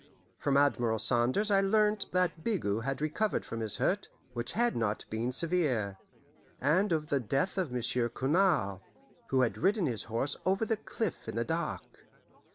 From Admiral Saunders I learned that Bigot had recovered from his hurt, which had not been severe, and of the death of Monsieur Cournal, who had ridden his horse over the cliff in the dark.